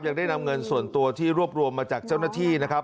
ยังได้นำเงินส่วนตัวที่รวบรวมมาจากเจ้าหน้าที่นะครับ